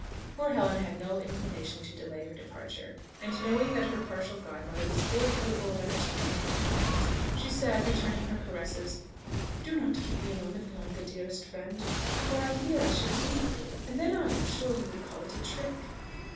Poor Helen had no inclination to delay her departure; and knowing that her partial godmother was fully capable of understanding her feelings, she said, returning her carresses, "Do not keep me a moment longer, dearest friend, for fear I should weep! and then I am sure he would call it a trick."